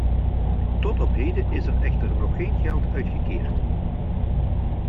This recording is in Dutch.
Tot op heden is er echter nog geen geld uitgekeerd.